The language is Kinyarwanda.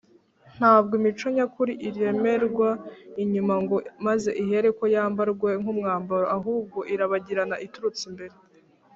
ntabwo imico nyakuri iremerwa inyuma ngo maze ihereko yambarwe nk’umwambaro, ahubwo irabagirana iturutse imbere